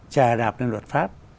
trà đạp lên luật pháp